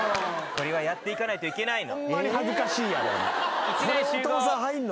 これはやっていかないといけないの。